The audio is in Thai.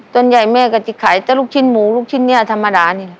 ส่วนใหญ่แม่ก็จะขายแต่ลูกชิ้นหมูลูกชิ้นเนี่ยธรรมดานี่แหละ